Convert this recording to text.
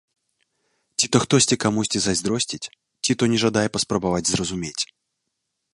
Ці то хтосьці камусьці зайздросціць, ці то не жадае паспрабаваць зразумець.